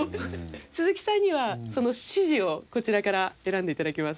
鈴木さんにはその指示をこちらから選んで頂きます。